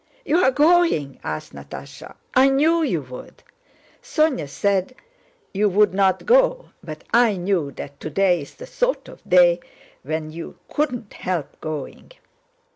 "You are going?" asked Natásha. "I knew you would! Sónya said you wouldn't go, but I knew that today is the sort of day when you couldn't help going."